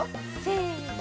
せの。